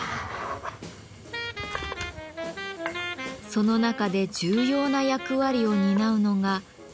その中で重要な役割を担うのが「鞘師」です。